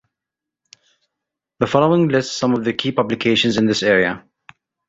The following lists some of the key publications in this area.